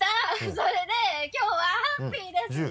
それできょうはハッピーです！